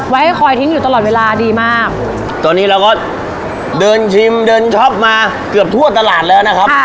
ให้คอยทิ้งอยู่ตลอดเวลาดีมากตอนนี้เราก็เดินชิมเดินช็อปมาเกือบทั่วตลาดแล้วนะครับ